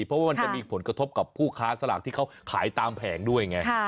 เพราะว่ามันจะมีผลกระทบกับผู้ค้าสลากที่เขาขายตามแผงด้วยไง